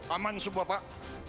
aman semua pak